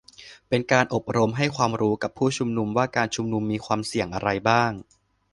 เป็นการอบรมให้ความรู้กับผู้ชุมนุมว่าการชุมนุมมีความเสี่ยงอะไรบ้าง